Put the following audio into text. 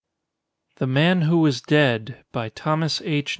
The Man Who Was Dead _By Thomas H.